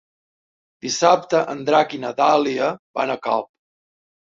Dissabte en Drac i na Dàlia van a Calp.